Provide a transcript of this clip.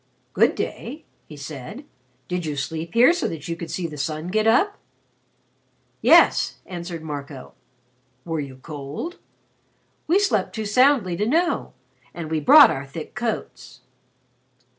"Good day," he said. "Did you sleep here so that you could see the sun get up?" "Yes," answered Marco. "Were you cold?" "We slept too soundly to know. And we brought our thick coats."